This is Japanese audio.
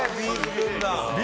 Ｂ